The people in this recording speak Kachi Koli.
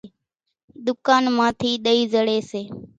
ۮُڪانَ مان ٿِي ۮئِي زڙيَ سي۔